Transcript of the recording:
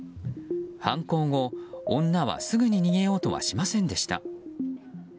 犯行後、女はすぐに逃げようとはしませんでした。